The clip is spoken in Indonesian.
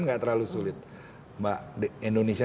nggak terlalu sulit mbak indonesia